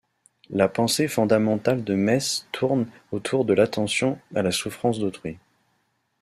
La pensée fondamentale de Metz tourne autour de l'attention à la souffrance d’autrui.